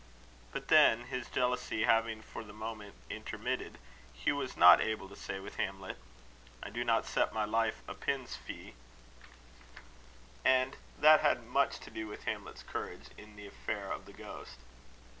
But then, his jealousy having for the moment intermitted, Hugh was not able to say with Hamlet "I do not set my life at a pin's fee;" and that had much to do with Hamlet's courage in the affair of the ghost.